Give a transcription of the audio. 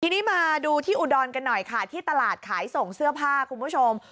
ทีนี้มาดูที่อุดรกันหน่อยค่ะที่ตลาดขายส่งเสื้อผ้าคุณผู้ชม